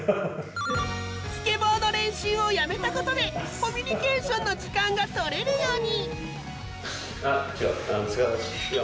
スケボーの練習をやめたことでコミュニケーションの時間が取れるように。